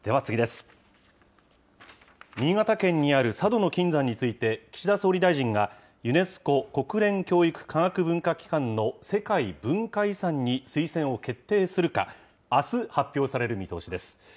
新潟県にある佐渡島の金山について、岸田総理大臣がユネスコ・国連教育科学文化機関の世界文化遺産に推薦を決定するか、あす発表される見通しです。